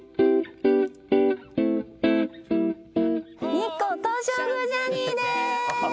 日光東照宮ジャーニーです！